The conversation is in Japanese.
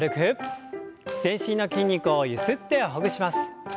全身の筋肉をゆすってほぐします。